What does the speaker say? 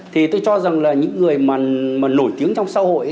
thì tôi cho rằng là những người mà nổi tiếng trong xã hội